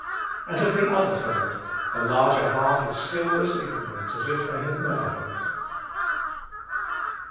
And of the other third, the larger half is still as ignorant as if they had never heard.